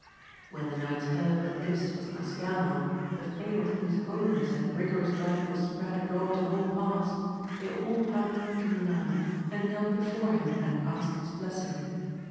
When the knights heard that this was Nasciano, the fame of whose holiness and rigorous life was spread abroad in all parts, they all humbly drew nigh, and knelt before him and asked his blessing.